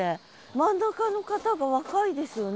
真ん中の方が若いですよね。